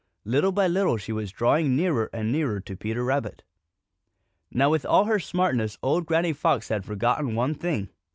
Little by little she was drawing nearer and nearer to Peter Rabbit. Now with all her smartness old Granny Fox had forgotten one thing.